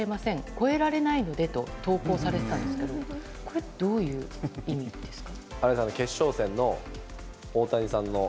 越えられないのでと投稿されてたんですけどこれ、どういう意味ですか。